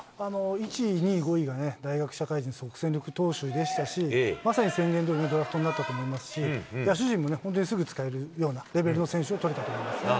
１位、２位、５位がね、大学、社会人、即戦力投手でしたし、まさに宣言どおりのドラフトになったと思いますし、野手陣もね、すぐ使えるようなレベルの選手を取れたと思います。